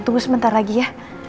tunggu sebentar lagi ya